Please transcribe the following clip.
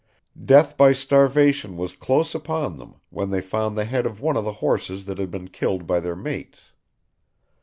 Death by starvation was close upon them, when they found the head of one of the horses that had been killed by their mates.